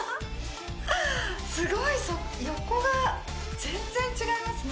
すごい横が全然違いますね